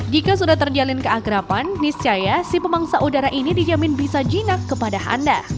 jika sudah terjalin keagrapan niscaya si pemangsa udara ini dijamin bisa jinak kepada anda